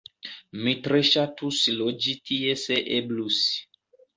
Mi tre ŝatus loĝi tie se eblus